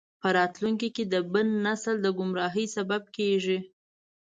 په راتلونکي کې د بل نسل د ګمراهۍ سبب کیږي.